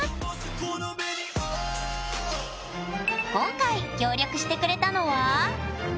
今回協力してくれたのは。